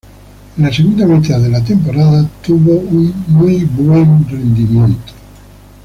En la segunda mitad de la temporada tuvo un muy bien rendimiento.